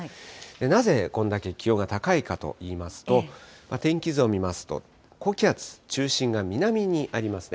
なぜ、これだけ気温が高いかといいますと、天気図を見ますと、高気圧、中心が南にありますね。